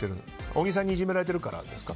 小木さんにいじめられてるからですか。